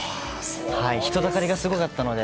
人だかりがすごかったので。